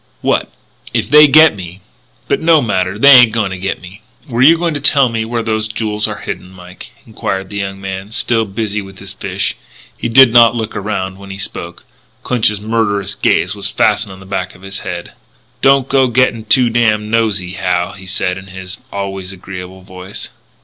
"What?" "If they get me, but no matter; they ain't a going to get me." "Were you going to tell me where those jewels are hidden, Mike?" enquired the young man, still busy with his fish. He did not look around when he spoke. Clinch's murderous gaze was fastened on the back of his head. "Don't go to gettin' too damn nosey, Hal," he said in his always agreeable voice.